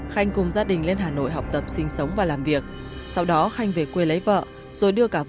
khanh cùng gia đình lên hà nội